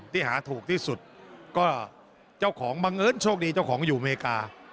ที่หาถูกที่สุดก็เจ้าของบังเอิญโชคดีเจ้าของอยู่อเมริกา